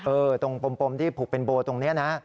ตรงปมที่ผูกเป็นโบตรงนี้นะ